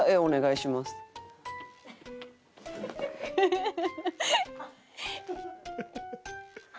フフフフ！